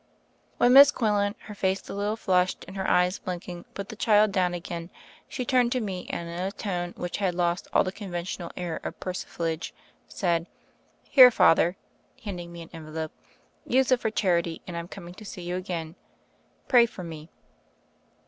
When Miss Quinlan, her face a little flushed and her eyes blinking, put the child down again, she turned to me and in a tone which had lost all the conventional air of persiflage said : "Here, Father," handing me an envelope. "Use it for charity, and I'm coming to see yon again. Pray for me."